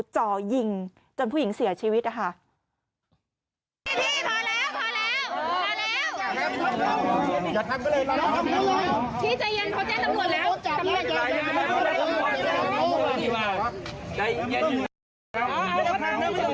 จ่อยิงจนผู้หญิงเสียชีวิตนะคะ